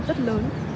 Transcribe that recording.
trong sự nghiệp